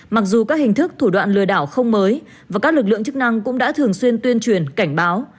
mặc dù các hình thức thủ đoạn lừa đảo không mới và các lực lượng chức năng cũng đã thường xuyên tuyên truyền cảnh báo